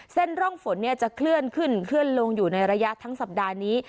เส้นร่องฝนจะเคลื่อนขึ้นเคลื่อนลงอยู่ในระยะทั้งสัปดาห์นี้